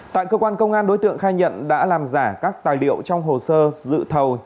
tại cơ quan công an đối tượng khai nhận đã làm giả các tài liệu trong hồ sơ dự thầu